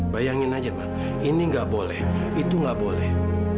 bayangin aja ma ini enggak boleh itu enggak boleh